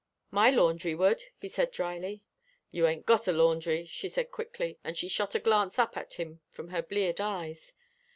"My laundry would," he said dryly. "You ain't got a laundry," she said quickly, and she shot a glance up at him from her bleared eyes.